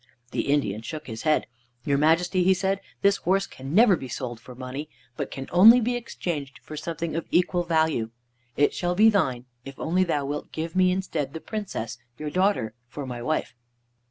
The Indian shook his head. "Your Majesty," he said, "this horse can never be sold for money, but can only be exchanged for something of equal value. It shall be thine only if thou wilt give me instead the Princess, your daughter, for my wife."